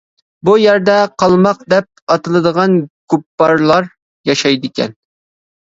بۇ يەردە قالماق دەپ ئاتىلىدىغان كۇپپارلار ياشايدىكەن.